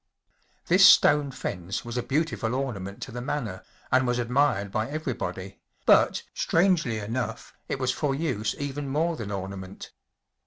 This stone fence was a beautiful orna¬ ment to the manor and was admired by everybody, but, strangely enough, it was for use even more than ornament.